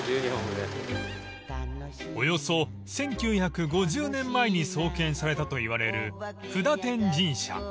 ［およそ１９５０年前に創建されたといわれる布多天神社］